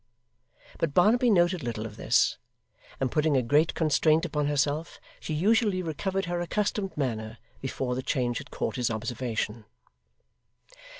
But Barnaby noted little of this; and putting a great constraint upon herself, she usually recovered her accustomed manner before the change had caught his observation.